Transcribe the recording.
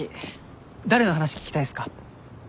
誰の話聞きたいっすか？